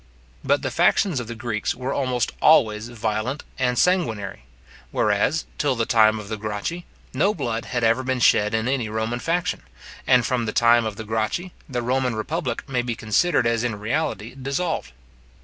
But the factions of the Greeks were almost always violent and sanguinary; whereas, till the time of the Gracchi, no blood had ever been shed in any Roman faction; and from the time of the Gracchi, the Roman republic may be considered as in reality dissolved.